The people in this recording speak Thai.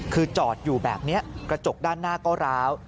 คือจอดอยู่แบบนี้กระจกด้านหน้าก็ร้าว